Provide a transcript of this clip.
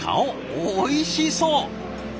おいしそう！